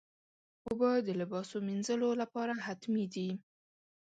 اوبه د لباسو مینځلو لپاره حتمي دي.